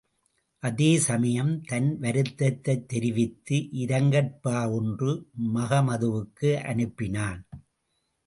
அதே சமயம் தன் வருத்தத்தைத் தெரிவித்து இரங்கற்பா ஒன்று மகமதுவுக்கு அனுப்பினான்.